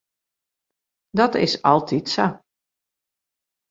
Dat is altyd sa.